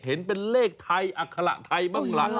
เห็นเป็นเลขไทยอัคระไทยบ้างล่ะ